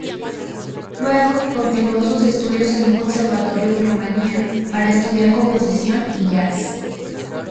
Luego, continuó sus estudios en un conservatorio de Rumanía para estudiar composición y jazz.